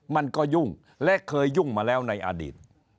มันก็ยุ่งและเคยยุ่งมาแล้วในอดีต